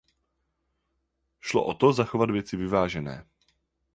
Šlo o to zachovat věci vyvážené.